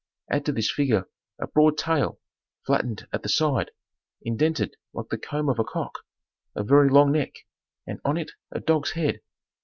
Add to this figure a broad tail, flattened at the side, indented like the comb of a cock, a very long neck, and on it a dog's head.